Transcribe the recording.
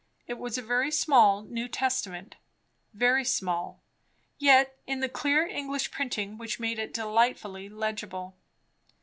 It was a very small New Testament; very small, yet in the clear English printing which made it delightfully legible.